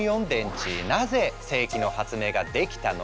なぜ世紀の発明ができたのか？